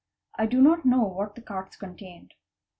I do not know what the carts contained.